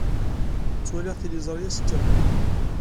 Ttwaliɣ tiliẓri ass kamel.